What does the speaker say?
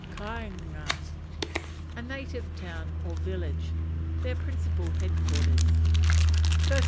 Kainga A native town, or village: their principal headquarters. p.